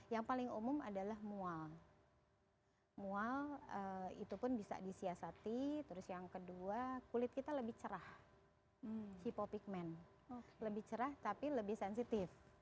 yang paling umum adalah mual mual itu pun bisa disiasati terus yang kedua kulit kita lebih cerah hipopigment lebih cerah tapi lebih sensitif